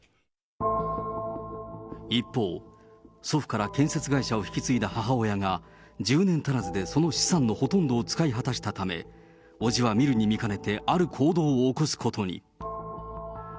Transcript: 一方、祖父から建設会社を引き継いだ母親が、１０年足らずでその資産のほとんどを使い果たしたため、伯父は見るに見かねて、ある行動を起こすことに。